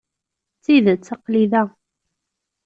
D tidet, aql-i da.